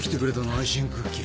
アイシングクッキー。